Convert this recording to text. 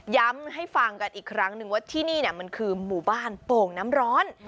ให้ฟังกันอีกครั้งนึงว่าที่นี่มันคือหมู่บ้านโป่งน้ำร้อน